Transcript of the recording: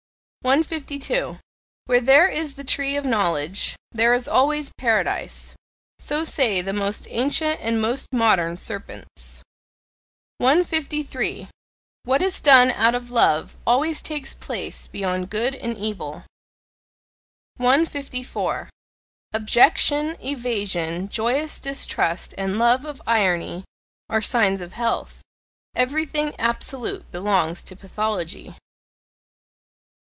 152. "Where there is the tree of knowledge, there is always Paradise": so say the most ancient and the most modern serpents. 153. What is done out of love always takes place beyond good and evil. 154. Objection, evasion, joyous distrust, and love of irony are signs of health; everything absolute belongs to pathology.